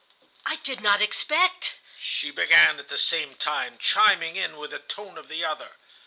"'I did not expect—,' she began at the same time, chiming in with the tone of the other.